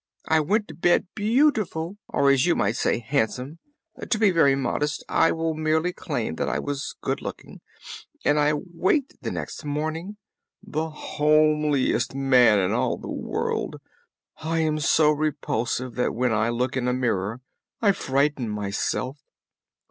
I went to bed beautiful or you might say handsome to be very modest I will merely claim that I was good looking and I wakened the next morning the homeliest man in all the world! I am so repulsive that when I look in a mirror I frighten myself."